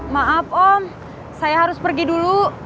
maaf om saya harus pergi dulu